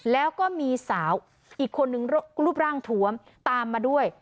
แล้วก็มีสาวอีกคนนึงรูปร่างถวมตามมาด้วย